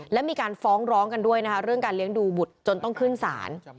และมีการฟ้องร้องกันด้วยนะคะเรื่องการเลี้ยงดูบุตรจนต้องขึ้นศาล